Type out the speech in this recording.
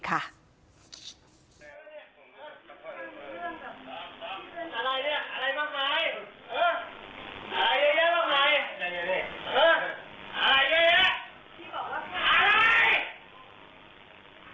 อะไรอะไรขอรับ